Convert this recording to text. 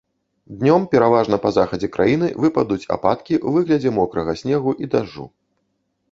Днём пераважна па захадзе краіны выпадуць ападкі ў выглядзе мокрага снегу і дажджу.